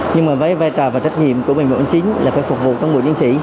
nhưng mà với vai trò và trách nhiệm của bệnh viên bộng chí là phải phục vụ công buộc nhân sĩ